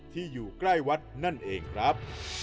ที่อยู่ใกล้วัดนั่นเองครับ